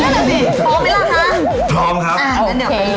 ไม่ใช่แบบนี้พร้อมมั้ยล่ะคะพร้อมครับอ่านั่นเดี๋ยว